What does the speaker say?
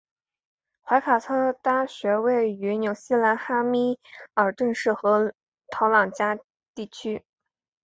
怀卡托大学位于纽西兰汉密尔顿市和陶朗加地区。